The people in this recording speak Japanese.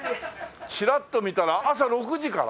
ちらっと見たら朝６時から？